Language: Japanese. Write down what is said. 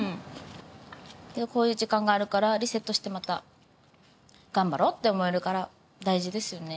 こういう時間があるからリセットしてまた頑張ろうって思えるから大事ですよね。